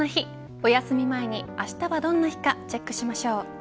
おやすみ前にあしたはどんな日かチェックしましょう。